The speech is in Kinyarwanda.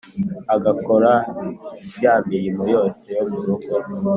agakora ya mirimo yose yo mu rugo,